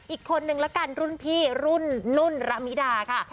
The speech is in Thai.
อีกคนนึงละกันรุ่นพี่รุ่นนุ่นระมิดาค่ะ